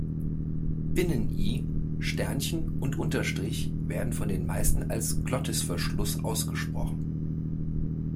Binnen-I, Sternchen und Unterstrich werden von den meisten als Glottisverschluss ausgesprochen.